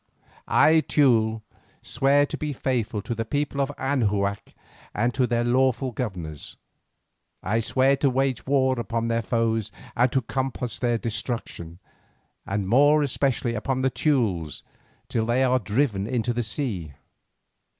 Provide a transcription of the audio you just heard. I, Teule, swear to be faithful to the people of Anahuac and to their lawful governors. I swear to wage war upon their foes and to compass their destruction, and more especially upon the Teules till they are driven into the sea.